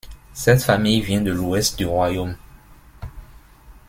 Cette famille vient de l'Ouest du royaume.